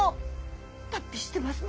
脱皮してますね！